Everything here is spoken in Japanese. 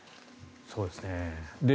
そうですね。